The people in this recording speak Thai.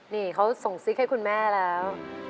นี่เขาส่งซิกให้คุณแม่แล้ว